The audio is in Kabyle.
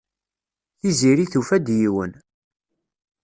Tiziri tufa-d yiwen.